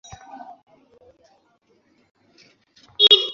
আমরা নারায়ণগঞ্জ বার থেকে একজন আইনজীবীকে আমাদের সঙ্গে অংশ নিতে বলেছি।